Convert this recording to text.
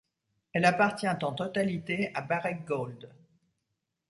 Elle appartient en totalité à Barrick Gold.